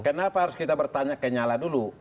kenapa harus kita bertanya ke nyala dulu